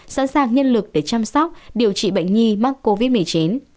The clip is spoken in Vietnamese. sẵn sàng nhân lực để chăm sóc điều trị bệnh nhi mắc covid một mươi chín